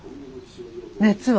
熱は？